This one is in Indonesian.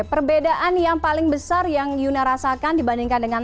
perbedaan yang paling besar yang yuna rasakan dibandingkan dengan